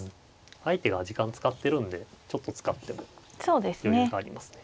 相手が時間使ってるんでちょっと使っても余裕がありますね。